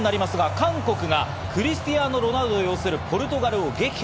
韓国がクリスティアーノ・ロナウド擁するポルトガルを撃破。